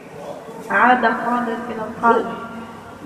عاد فاضل إلى القاهرة.